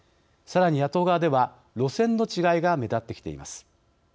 さらに、野党側では路線の違いが目立ってきています。